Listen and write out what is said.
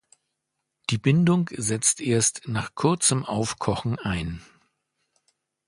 Die Bindung setzt erst nach kurzem Aufkochen ein.